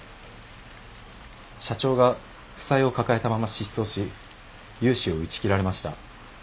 社長が負債を抱えたまま失踪し融資を打ち切られました。